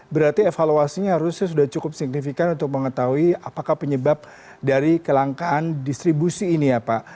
berarti evaluasinya harusnya sudah cukup signifikan untuk mengetahui apakah penyebab dari kelangkaan distribusi ini ya pak